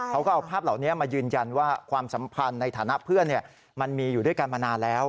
เขาก็เอาภาพเหล่านี้มายืนยันว่าความสัมพันธ์ในฐานะเพื่อนมันมีอยู่ด้วยกันมานานแล้ว